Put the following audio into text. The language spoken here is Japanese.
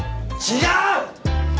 違う！